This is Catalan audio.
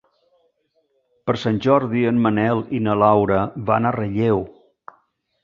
Per Sant Jordi en Manel i na Laura van a Relleu.